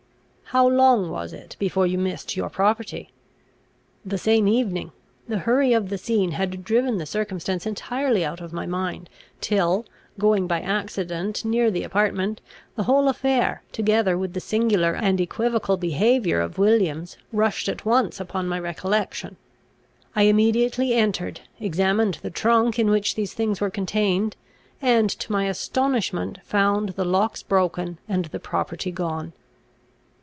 "How long was it before you missed your property?" "The same evening. The hurry of the scene had driven the circumstance entirely out of my mind, till, going by accident near the apartment, the whole affair, together with the singular and equivocal behaviour of Williams, rushed at once upon my recollection. I immediately entered, examined the trunk in which these things were contained, and, to my astonishment, found the locks broken, and the property gone."